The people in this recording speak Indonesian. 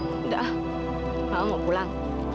udah mama mau pulang